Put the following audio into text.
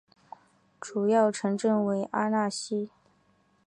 主要城镇为阿讷西。